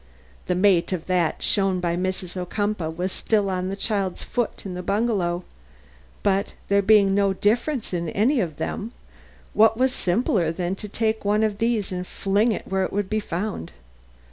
The mate of that shown by Mrs. Ocumpaugh was still on the child's foot in the bungalow, but there being no difference in any of them, what was simpler than to take one of these and fling it where it would be found.